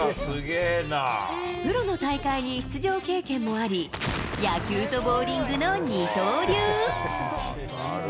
プロの大会に出場経験もあり、野球とボウリングの二刀流。